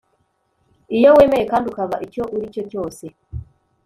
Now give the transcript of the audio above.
iyo wemeye kandi ukaba icyo uri cyo cyose